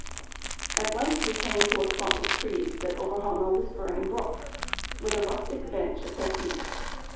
] At length we came to a clump of trees that overhung a whispering brook, with a rustic bench at their feet.